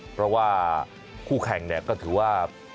เพราะว่าคู่แข่งก็ถือว่า